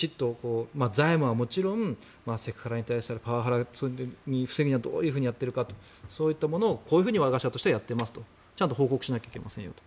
財務はもちろんセクハラ、パワハラを防ぐにはどういうふうにやっていくかとそういうものをこういうふうに我が社はやっていますとちゃんと報告しなきゃいけませんよと。